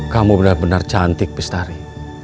kamu benar benar cantik bestari